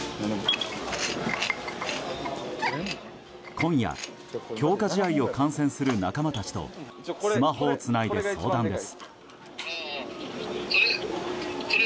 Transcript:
今夜、強化試合を観戦する仲間たちとスマホをつないで相談です。